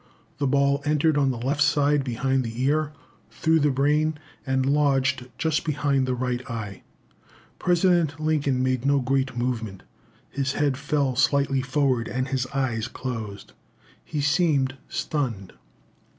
The ball entered on the left side behind the ear, through the brain, and lodged just behind the right eye. President Lincoln made no great movement his head fell slightly forward, and his eyes closed. He seemed stunned.